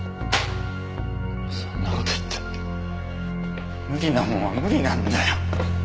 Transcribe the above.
そんな事言ったって無理なもんは無理なんだよ！